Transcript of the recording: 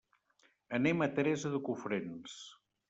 Anem a Teresa de Cofrents.